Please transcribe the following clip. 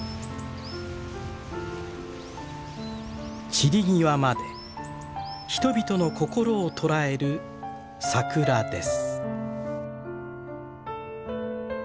散り際まで人々の心を捉える桜です。